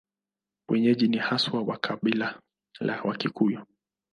Wenyeji ni haswa wa kabila la Wakikuyu.